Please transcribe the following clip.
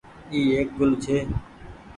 اي ايڪ گل ڇي۔